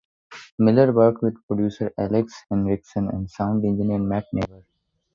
Miller worked with producer Alex Henriksson and sound engineer Matt Neighbour.